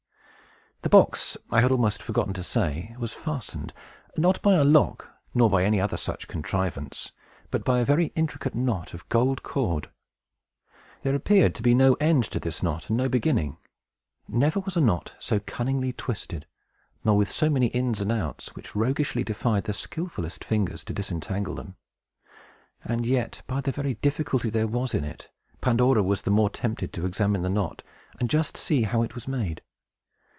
The box, I had almost forgotten to say, was fastened; not by a lock, nor by any other such contrivance, but by a very intricate knot of gold cord. There appeared to be no end to this knot, and no beginning. Never was a knot so cunningly twisted, nor with so many ins and outs, which roguishly defied the skillfullest fingers to disentangle them. And yet, by the very difficulty that there was in it, Pandora was the more tempted to examine the knot, and just see how it was made.